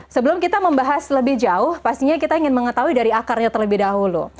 sebelum kita membahas lebih jauh pastinya kita ingin mengetahui dari akarnya terlebih dahulu